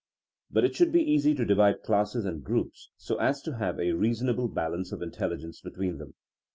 But it should be easy to divide classes and groups so as to have a reasonable balance of intelligence between them.